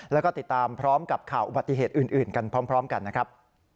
แล้วก็ติดตามพร้อมกับข่าวอุบัติเหตุอื่นกันพร้อมกันนะครับ